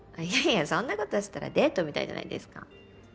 いやいやそんなことしたらデートみたいじゃないですか。